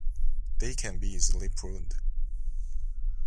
They can be easily pruned.